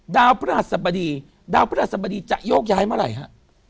พระหัสบดีดาวพระราชสมดีจะโยกย้ายเมื่อไหร่ฮะ